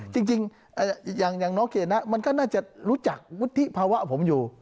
จริงอย่างน้องเคนะมันก็น่าจะรู้จักวุฒิภาวะผมอยู่